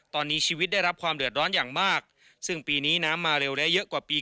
ตอนนี้ชีวิตได้รับความเดือดร้อนอย่างมากซึ่งปีนี้น้ำมาเร็วและเยอะกว่าปี